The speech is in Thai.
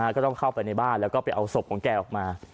ก็ต้องเข้าไปในบ้านแล้วก็ไปเอาศพของแกออกมา